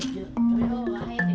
enggak diunggah ya